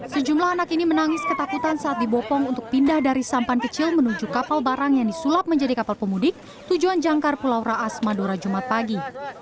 sejumlah anak ini menangis ketakutan saat dibopong untuk pindah dari sampan kecil menuju kapal barang yang disulap menjadi kapal pemudik tujuan jangkar pulau raas madura jumat pagi